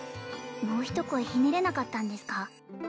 もう一声ひねれなかったんですか？